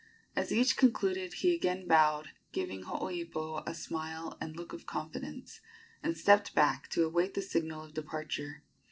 As each concluded he again bowed, giving Hooipo a smile and look of confidence, and stepped back to await the signal of departure.